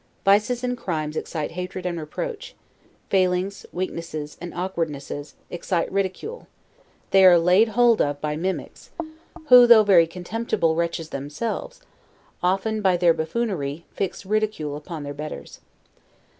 Vices and crimes excite hatred and reproach; failings, weaknesses, and awkwardnesses, excite ridicule; they are laid hold of by mimics, who, though very contemptible wretches themselves, often, by their buffoonery, fix ridicule upon their betters.